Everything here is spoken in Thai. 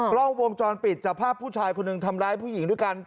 กล้องวงจรปิดจับภาพผู้ชายคนหนึ่งทำร้ายผู้หญิงด้วยกัน